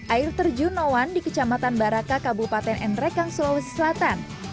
air terjun nawan di kecamatan baraka kabupaten nrekang sulawesi selatan